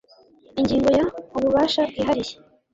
ingingo ya ububasha bwihariye